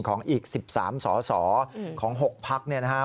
อีก๑๓สสของ๖พักเนี่ยนะครับ